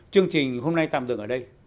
chương trình hôm nay tạm dừng ở đây